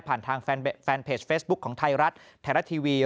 ผ่านทางแฟนเพจเฟสบุ๊คของไทรัสไทรัสทีวี